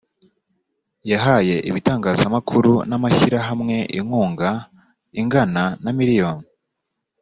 yahaye ibitangazamakuru n’amashyirahamwe inkunga ingana na miliyoni